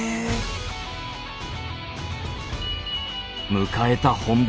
⁉迎えた本番。